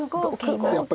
やっぱり桂。